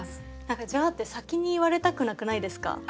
何か「じゃあ」って先に言われたくなくないですか？